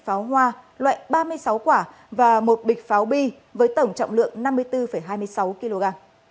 pháo hoa loại ba mươi sáu quả và một bịch pháo bi với tổng trọng lượng năm mươi bốn hai mươi sáu kg